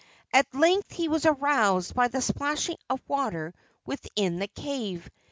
At length he was aroused by the splashing of water within the cave.